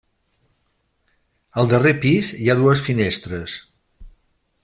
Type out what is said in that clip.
Al darrer pis hi ha dues finestres.